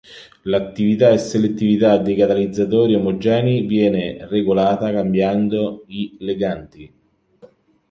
L'attività e selettività dei catalizzatori omogenei viene regolata cambiando i leganti.